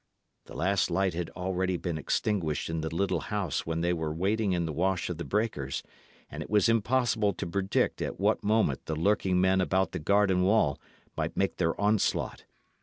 The last light had been already extinguished in the little house when they were wading in the wash of the breakers, and it was impossible to predict at what moment the lurking men about the garden wall might make their onslaught.